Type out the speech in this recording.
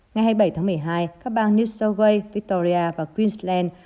ngày hai mươi bảy tháng một mươi hai các bang new south way victoria và queensland